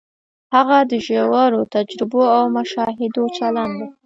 هغه د ژورو تجربو او مشاهدو چلن دی.